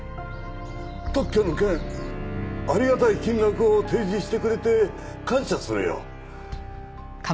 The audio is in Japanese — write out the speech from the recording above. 特許の件ありがたい金額を提示してくれて感謝するよ。